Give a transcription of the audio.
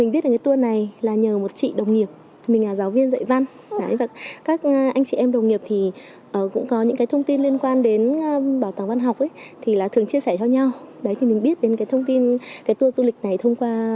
được biết đến sớm những thông tin liên quan đến văn học của nước nhà